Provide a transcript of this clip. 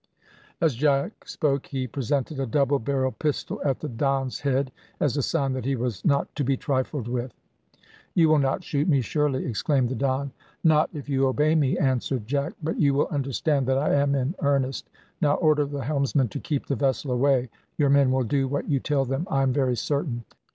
As Jack spoke he presented a double barrelled pistol at the Don's head, as a sign that he was not to trifled with. "You will not shoot me, surely!" exclaimed the Don. "Not if you obey me," answered Jack; "but you will understand that I am in earnest. Now, order the helmsman to keep the vessel away; your men will do what you tell them, I am very certain."